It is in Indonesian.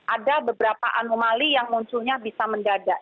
ada beberapa anomali yang munculnya bisa mendadak